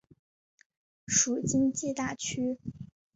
属京畿大区。